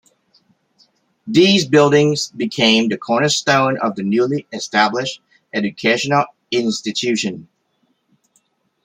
These buildings became the cornerstone of the newly established educational institution.